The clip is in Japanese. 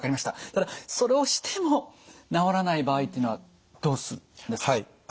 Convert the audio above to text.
ただそれをしても治らない場合っていうのはどうするんですか？